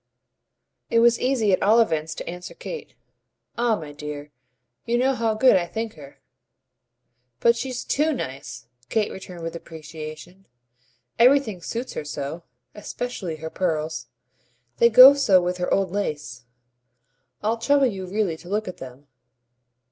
It was easy at all events to answer Kate. "Ah my dear, you know how good I think her!" "But she's TOO nice," Kate returned with appreciation. "Everything suits her so especially her pearls. They go so with her old lace. I'll trouble you really to look at them."